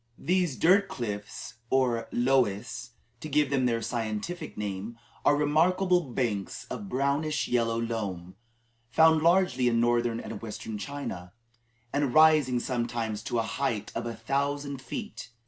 These dirt cliffs, or "loess," to give them their scientific name, are remarkable banks of brownish yellow loam, found largely in Northern and Western China, and rising sometimes to a height of a thousand feet.